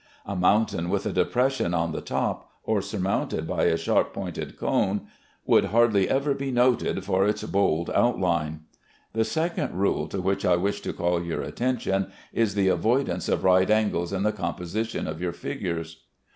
A mountain with a depression on the top, or surmounted by a sharp pointed cone, would hardly ever be noted for its bold outline. The second rule to which I wish to call your attention is the avoidance of right angles in the composition of your figures.